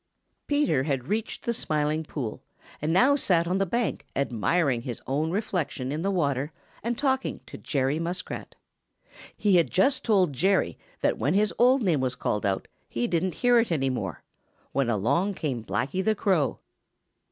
Peter had reached the Smiling Pool and now sat on the bank admiring his own reflection in the water and talking to Jerry Muskrat. He had just told Jerry that when his old name was called out he didn't hear it any more when along came Blacky the Crow.